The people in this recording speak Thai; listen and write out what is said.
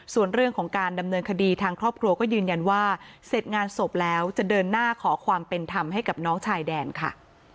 ส่วนเรื่องของการดำเนินคดีทางครอบครัวก็ยืนยันว่าเสร็จงานศพแล้วจะเดินหน้าขอความเป็นธรรมให้กับน้องชายแดนค่ะ